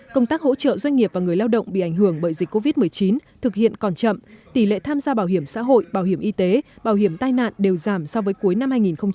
công tác hỗ trợ doanh nghiệp và người lao động bị ảnh hưởng bởi dịch covid một mươi chín thực hiện còn chậm tỷ lệ tham gia bảo hiểm xã hội bảo hiểm y tế bảo hiểm tai nạn đều giảm so với cuối năm hai nghìn hai mươi